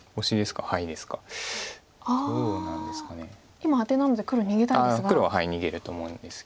今アテなので黒逃げたいんですが。